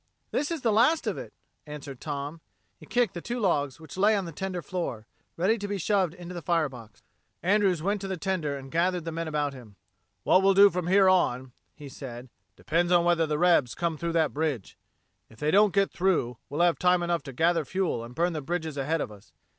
"This is the last of it," answered Tom. He kicked the two logs which lay on the tender floor, ready to be shoved into the fire box. Andrews went to the tender and gathered the men about him. "What we'll do from here on," he said, "depends upon whether the Rebs come through that bridge. If they don't get through, we'll have time enough to gather fuel and burn the bridges ahead of us.